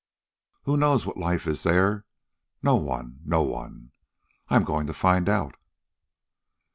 Who knows what life is there? No one no one! I am going to find out."